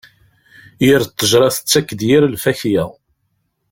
Yir ttejṛa tettak-d yir lfakya.